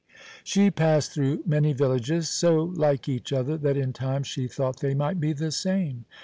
She passed through many villages so like each other that in time she thought they might be the same.